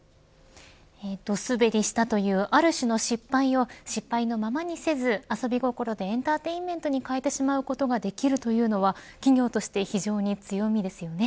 ドすべりしたというある種の失敗を失敗のままにせず遊び心でエンターテインメントに変えてしまうことができるというのは企業として非常に強みですよね。